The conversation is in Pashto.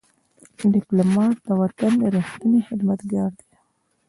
ډيپلومات د وطن ریښتینی خدمتګار دی.